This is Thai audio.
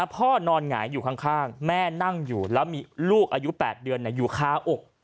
นอนหงายอยู่ข้างแม่นั่งอยู่แล้วมีลูกอายุ๘เดือนอยู่คาอก